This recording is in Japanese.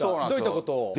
どういった事を？